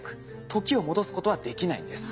時を戻すことはできないんです。